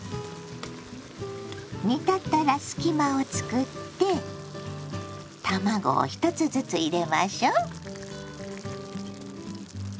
煮立ったら隙間をつくって卵を１つずつ入れましょう。